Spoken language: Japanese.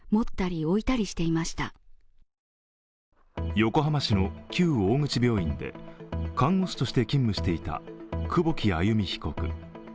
横浜市の旧大口病院で看護師として勤務していた久保木愛弓被告。